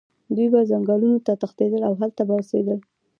دوی به ځنګلونو ته تښتېدل او هلته به اوسېدل.